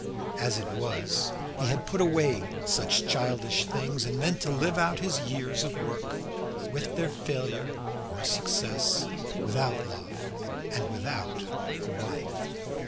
As it was, he had put away such childish things, and meant to live out his years of work, with their failure or success, without love and without a wife.